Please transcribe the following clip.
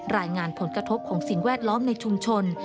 รายงานผลกระทบของสิ่งแวดล้อมในชุมชน